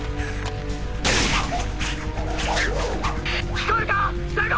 聞こえるか大吾。